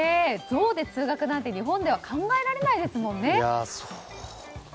ゾウで通学なんて日本では考えられないですもんね。